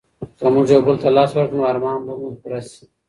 که موږ یو بل ته لاس ورکړو نو ارمانونه به مو پوره سي.